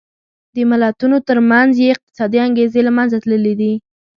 د ملتونو ترمنځ یې اقتصادي انګېزې له منځه تللې دي.